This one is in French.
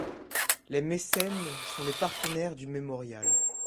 Les mécènes sont les partenaires du Mémorial.